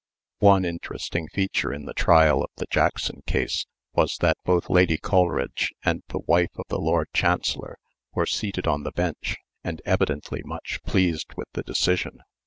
One interesting feature in the trial of the Jackson case, was that both Lady Coleridge and the wife of the Lord Chancellor were seated on the bench, and evidently much pleased with the decision.